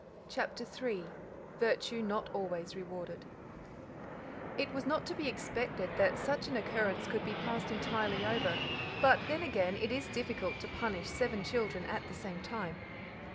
CHAPTER III Virtue Not Always Rewarded It was not to be expected that such an occurrence could be passed entirely over, but then again it is difficult to punish seven children at the same time.